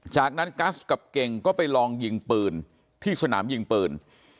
จากนั้นกัสกับเก่งก็ไปลองยิงปืนที่สนามยิงปืน